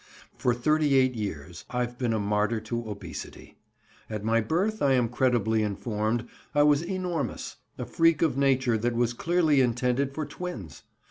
For thirty eight years I've been a martyr to obesity. At my birth, as I am credibly informed, I was enormous—a freak of nature that was clearly intended for twins.